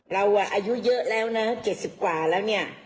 เราอายุเยอะแล้วนะ๗๐กว่าแล้วเนี่ย